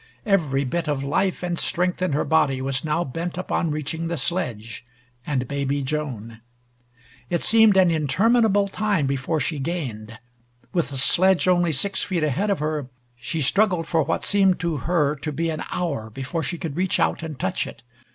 Every bit of life and strength in her body was now bent upon reaching the sledge and baby Joan. It seemed an interminable time before she gained. With the sledge only six feet ahead of her she struggled for what seemed to her to be an hour before she could reach out and touch it.